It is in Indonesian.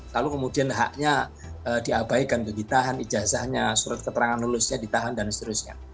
lalu kemudian haknya diabaikan kegitahan ijazahnya surat keterangan lulusnya ditahan dan seterusnya